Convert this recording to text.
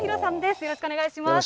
よろしくお願いします。